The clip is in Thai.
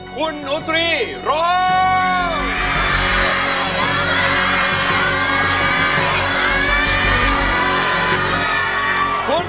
คุณอุตรีร้องนะครับ